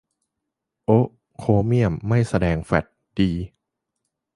โอ๊ะ โครเมี่ยมไม่แสดงแฟลช - ดี !